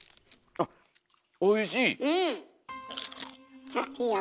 あっおいしい！